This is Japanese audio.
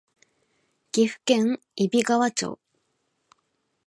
岐阜県揖斐川町